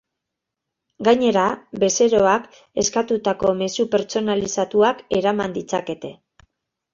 Gainera, bezeroak eskatutako mezu pertsonalizatuak eraman ditzakete.